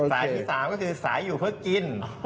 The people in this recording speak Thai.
สายที่๓ก็คือสายอยู่เพื่อกิน